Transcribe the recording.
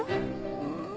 うん。